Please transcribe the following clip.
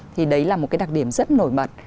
thì đấy là một đặc điểm rất nổi bật